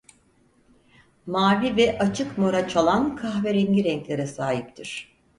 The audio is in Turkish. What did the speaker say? Mavi ve açık mora çalan kahverengi renklere sahiptir.